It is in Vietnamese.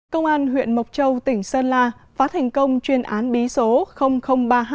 công an huyện mộc châu tỉnh sơn la phá thành công chuyên án bí số ba h